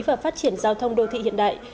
và phát triển giao thông đô thị hiện đại